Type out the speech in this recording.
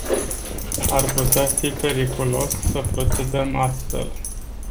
Ar putea fi periculos să procedăm astfel.